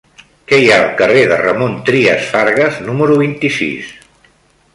Què hi ha al carrer de Ramon Trias Fargas número vint-i-sis?